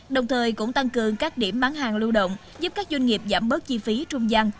đồng thời cũng tăng cường các điểm bán hàng lưu động giúp các doanh nghiệp giảm bớt chi phí trung gian